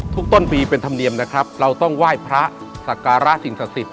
ทุกต้นปีเป็นธรรมเนียมนะครับเราต้องไหว้พระสักการสินสะสิบ